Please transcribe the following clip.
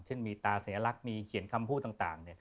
มีตาสัญลักษณ์มีเขียนคำพูดต่าง